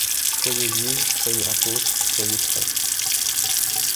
Soyez juges. Soyez apôtres. Soyez prêtres.